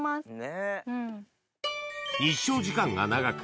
日照時間が長く